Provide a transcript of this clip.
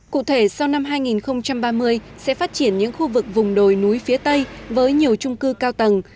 cụ thể sau năm hai nghìn ba mươi sẽ phát triển những khu vực vùng đồi núi phía tây với nhiều trung cư cao tầng